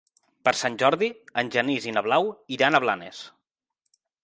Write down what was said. Per Sant Jordi en Genís i na Blau iran a Blanes.